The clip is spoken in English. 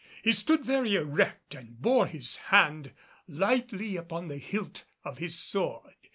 He stood very erect and bore his hand lightly upon the hilt of his sword.